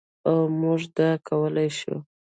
او موږ دا کولی شو.